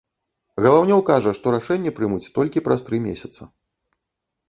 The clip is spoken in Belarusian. Галаўнёў кажа, што рашэнне прымуць толькі праз тры месяца.